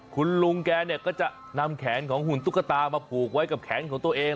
คุณลุงแกเนี่ยก็จะนำแขนของหุ่นตุ๊กตามาผูกไว้กับแขนของตัวเอง